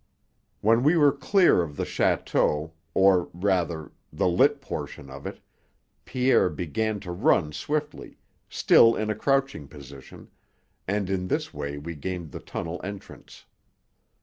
When we were clear of the château, or, rather, the lit portion of it, Pierre began to run swiftly, still in a crouching position, and in this way we gained the tunnel entrance.